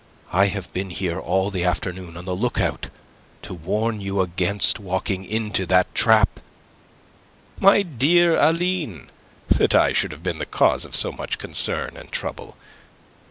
I have been here all the afternoon on the lookout to warn you against walking into that trap." "My dear Aline! That I should have been the cause of so much concern and trouble!"